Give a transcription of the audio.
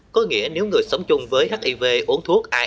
có nghĩa nếu người sống chung với hiv uống thuốc i